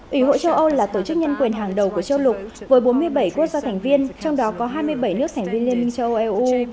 ủy hội châu âu là tổ chức nhân quyền hàng đầu của châu lục với bốn mươi bảy quốc gia thành viên trong đó có hai mươi bảy nước thành viên liên minh châu âu eu